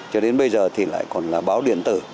cho đến bây giờ thì lại còn là báo điện tử